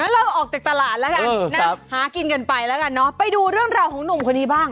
เราออกจากตลาดแล้วกันนะหากินกันไปแล้วกันเนอะไปดูเรื่องราวของหนุ่มคนนี้บ้าง